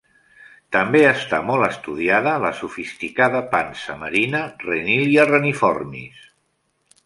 També està molt estudiada la sofisticada pansa marina "Renilla reniformis".